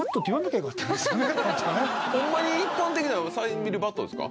ホンマに一般的なのはサイン入りバットですか？